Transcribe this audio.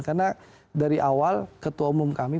karena dari awal ketua umum kami